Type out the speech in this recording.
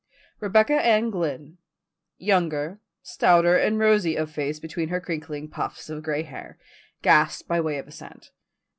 Rebecca Ann Glynn, younger, stouter and rosy of face between her crinkling puffs of gray hair, gasped, by way of assent.